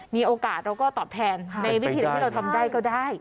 มีโอกาสเราก็ตอบแทนในวิธีที่เราทำได้ก็ได้